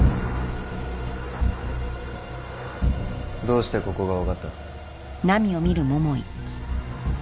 どうしてここが分かった？